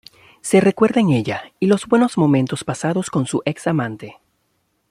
Se recuerda en ella y los buenos momentos pasados con su ex amante.